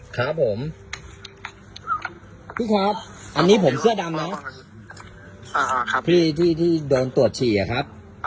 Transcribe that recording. ครับผมพี่ครับอันนี้ผมเชื่อดำเนี้ยอ่าครับพี่ที่ที่โดนตรวจฉี่อ่ะครับ